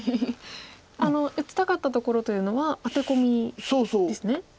打ちたかったところというのはアテコミですね。